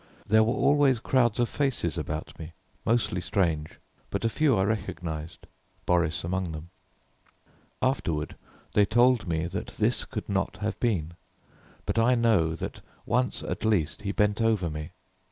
There were always crowds of faces about me, mostly strange, but a few I recognized, Boris among them. Afterward they told me that this could not have been, but I know that once at least he bent over me.